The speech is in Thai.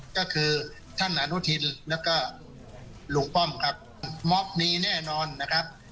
ก็คือท่านอนุทินแล้วก็ลุงป้อมครับม็อบมีแน่นอนนะครับ